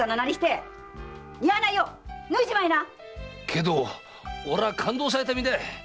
けど俺は勘当された身だよ。